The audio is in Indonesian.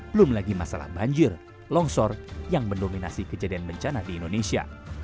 belum lagi masalah banjir longsor yang mendominasi kejadian bencana di indonesia